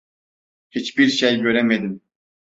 Hiçbir şey göremedim.